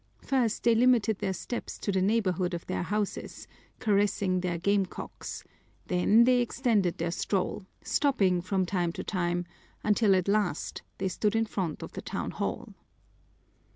First they limited their steps to the neighborhood of their houses, caressing their game cocks, then they extended their stroll, stopping from time to time, until at last they stood in front of the town hall.